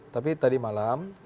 tapi tadi malam